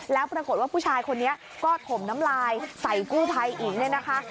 แล้วปรากฏว่าผู้ชายคนนี้ก็ถมน้ำลายใส่กู้ภัยอีกเนี่ยนะคะ